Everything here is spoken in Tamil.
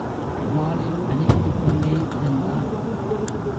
தபாலில் அனுப்பிக் கொண்டே இருந்தான்.